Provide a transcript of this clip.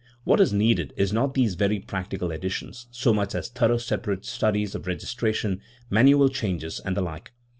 What is needed is not these very practical editions so much as thorough separate studies of registration, manual changes, and the like.